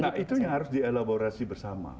nah itu yang harus dielaborasi bersama